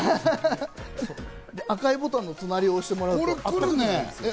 赤いボタンの隣を押してください。